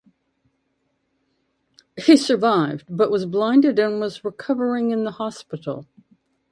He survived, but was blinded and was recovering in the hospital.